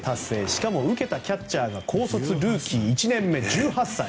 しかも受けたキャッチャーが高卒ルーキー１年目の１８歳。